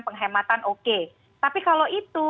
penghematan oke tapi kalau itu